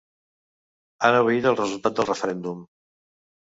Han obeït el resultat del referèndum.